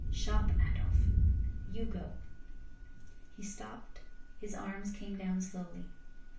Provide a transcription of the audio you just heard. "Shop, Adolf. You go." He stopped, his arms came down slowly.